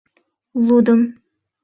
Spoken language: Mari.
— Лудым.